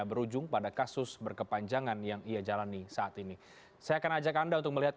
bermula pada dua ribu dua belas